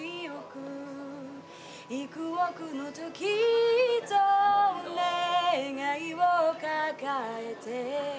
「幾億の時と願いを抱えて」